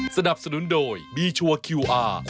สวัสดีครับ